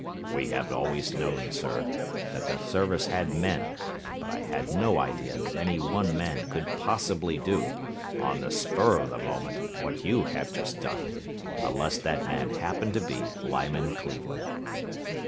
"We have always known, sir, that the Service had men; but I had no idea that any one man could possibly do, on the spur of the moment, what you have just done unless that man happened to be Lyman Cleveland."